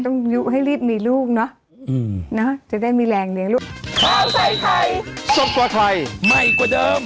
ต้องอยู่ให้รีบมีลูกเนอะจะได้มีแรงเนี่ยลูก